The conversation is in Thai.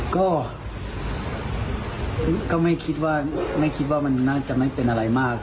ก็ไม่คิดว่ามันน่าจะไม่เป็นอะไรมาก